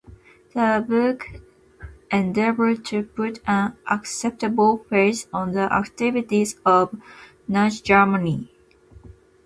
The book endeavored to put an acceptable face on the activities of Nazi Germany.